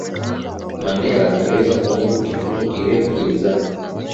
Mandela aliweza kumudu kifungo kirefu gerezani